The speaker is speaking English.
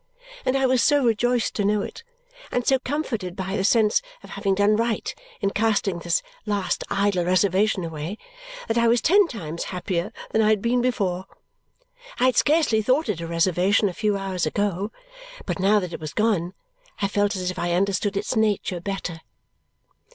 And I was so rejoiced to know it and so comforted by the sense of having done right in casting this last idle reservation away that I was ten times happier than I had been before. I had scarcely thought it a reservation a few hours ago, but now that it was gone I felt as if I understood its nature better.